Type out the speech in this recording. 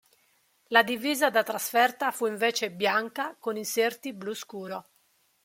La divisa da trasferta fu invece bianca, con inserti blu scuro.